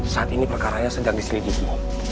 saat ini perkaranya sedang diselidiki